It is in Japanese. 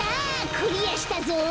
クリアしたぞ！